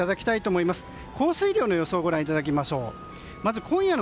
今夜の降水量の予想をご覧いただきましょう。